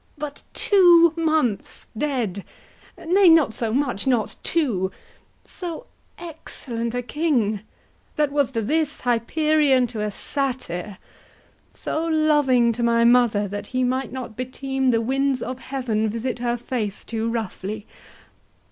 But two months dead—nay, not so much, not two: So excellent a king; that was to this Hyperion to a satyr; so loving to my mother, That he might not beteem the winds of heaven Visit her face too roughly.